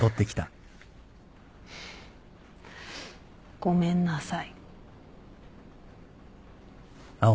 ごめんなさい。